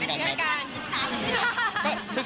พูดด้วยจากผู้จริง